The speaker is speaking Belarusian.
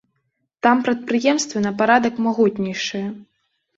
Там прадпрыемствы на парадак магутнейшыя.